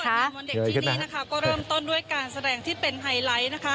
ที่ปรับเป็นวันเด็กที่นี้ก็เริ่มต้นด้วยการแสดงที่เป็นไฮไลท์